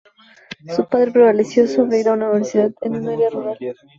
Su padre prevaleció sobre si ir a una universidad en un área rural.